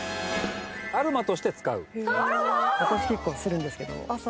私結構するんですけど。